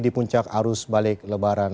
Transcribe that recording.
di puncak arus balik lebaran